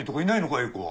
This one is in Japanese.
英子は。